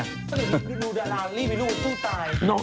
นี่มีลูกสู้ตาย